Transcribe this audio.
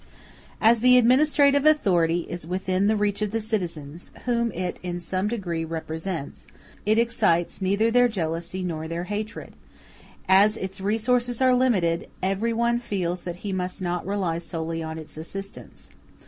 As the administrative authority is within the reach of the citizens, whom it in some degree represents, it excites neither their jealousy nor their hatred; as its resources are limited, every one feels that he must not rely solely on its assistance.